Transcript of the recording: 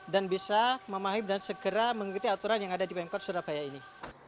dan bisa memahami dan segera mengikuti aturan yang ada di pemkot surabaya ini